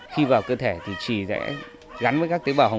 khi vào cơ thể thì chỉ sẽ gắn với các tế bào hồng